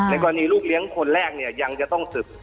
แต่กรณีลูกเลี้ยงคนแรกยังจะต้องศึก